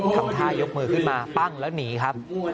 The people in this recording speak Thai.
ทำท่ายกมือขึ้นมาปั้งแล้วหนีครับ